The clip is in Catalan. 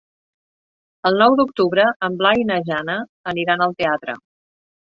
El nou d'octubre en Blai i na Jana aniran al teatre.